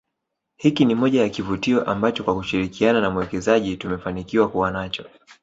Hiki ni moja ya kivutio ambacho kwa kushirikiana na mwekezaji tumefanikiwa kuwa nacho